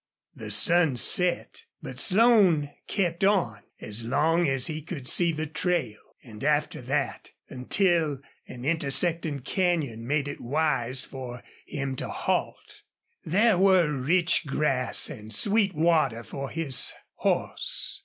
The sun set, but Slone kept on as long as he could see the trail, and after that, until an intersecting canyon made it wise for him to halt. There were rich grass and sweet water for his horse.